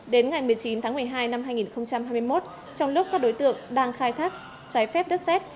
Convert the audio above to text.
đến ngày một mươi chín tháng một mươi hai năm hai nghìn hai mươi một trong lúc các đối tượng đang khai thác trái phép đất xét